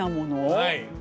はい。